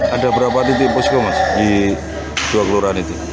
ada berapa titik posko mas di dua kelurahan itu